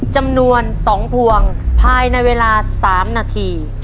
จำนวนสองพวงภายในเวลาสามนาที